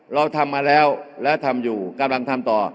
เราทำมาแล้วและทำอยู่กำลังทำต่อ